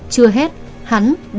chưa hết hắn đã tìm ra người của nạn nhân